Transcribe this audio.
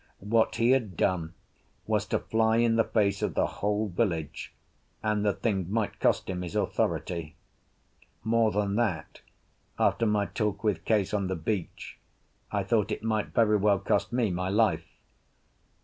What he had done was to fly in the face of the whole village, and the thing might cost him his authority. More than that, after my talk with Case on the beach, I thought it might very well cost me my life.